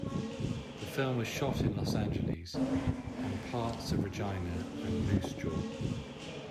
The film was shot in Los Angeles and parts of Regina and Moose Jaw.